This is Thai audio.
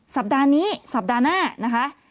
สัปดาห์นี้สัปดาห์หน้านะคะ